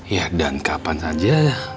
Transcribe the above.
ya dan kapan saja